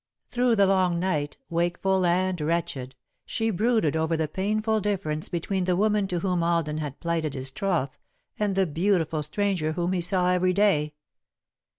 Through the long night, wakeful and wretched, she brooded over the painful difference between the woman to whom Alden had plighted his troth and the beautiful stranger whom he saw every day.